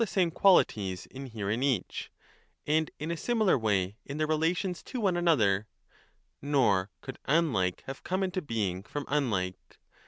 CHAPTER 3 977* qualities inhere in each and in a similar way in their relations to one another), nor could unlike have come into being from unlike.